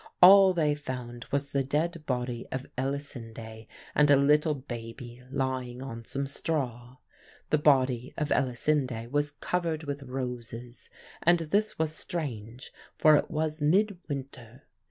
All they found was the dead body of Elisinde, and a little baby lying on some straw. The body of Elisinde was covered with roses. And this was strange, for it was midwinter.